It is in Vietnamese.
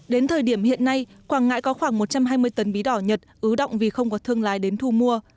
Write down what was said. đến thời điểm hiện nay quảng ngãi có khoảng một trăm hai mươi tấn bí đỏ nhật ứ động vì không có thương lái đến thu mua